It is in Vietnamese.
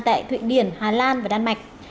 tại thụy điển hà lan và đan mạch